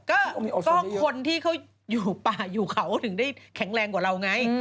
ก็ต้องคนที่เขาอยู่ป่าอยู่เขาถึงได้แข็งแรงกว่าเราไง